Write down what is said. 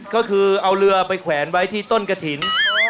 ก็คือเอาเรือไปแขวนไว้ที่ต้นกระถิ่น